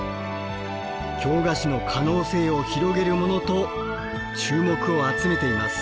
京菓子の可能性を広げるモノと注目を集めています。